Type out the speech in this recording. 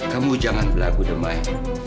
kamu jangan berlagu demai